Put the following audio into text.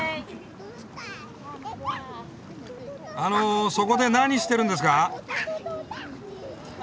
あのそこで何してるんですか？